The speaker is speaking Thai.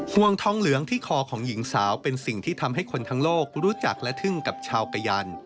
ห่วงทองเหลืองที่คอของหญิงสาวเป็นสิ่งที่ทำให้คนทั้งโลกรู้จักและทึ่งกับชาวกะยัน